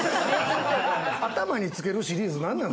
頭に付けるシリーズ、何なん？